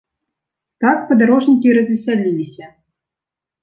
Так падарожнікі й развесяліліся!